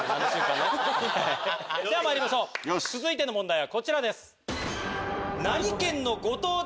ではまいりましょう続いての問題はこちらです。